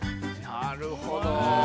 なるほど。